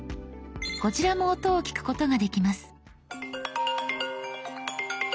こちらも音を聞くことができます。」）